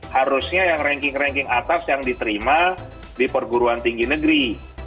harusnya yang ranking ranking atas yang diterima di perguruan tinggi negeri